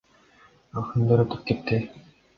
Ал күндөр өтүп кетти.